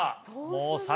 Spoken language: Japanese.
もう